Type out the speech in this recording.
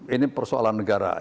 ini persoalan negara